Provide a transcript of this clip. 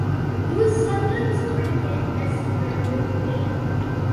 He was sometimes credited as Frederick Bain.